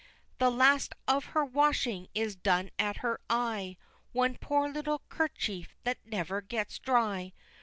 The last of her washing is done at her eye, One poor little kerchief that never gets dry!